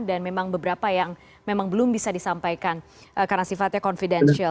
dan memang beberapa yang memang belum bisa disampaikan karena sifatnya confidential